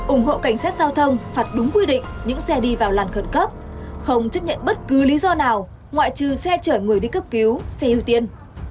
ủng hộ cảnh sát giao thông phạt đúng quy định những xe đi vào làn khẩn cấp không chấp nhận bất cứ lý do nào ngoại trừ xe chở người đi cấp cứu xe ưu tiên